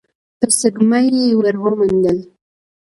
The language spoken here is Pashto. په سږمه يې ور ومنډل.